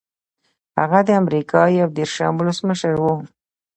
هغه د امریکا یو دېرشم ولسمشر و.